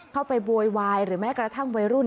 เข้าไปบวยวายหรือแม้กระทั่งบยรู่